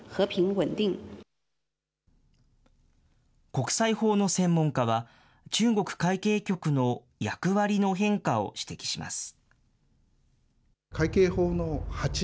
国際法の専門家は、中国海警局の役割の変化を指摘します。